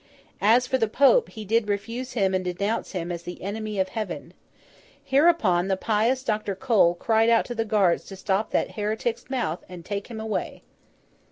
As for the Pope, he did refuse him and denounce him as the enemy of Heaven. Hereupon the pious Dr. Cole cried out to the guards to stop that heretic's mouth and take him away.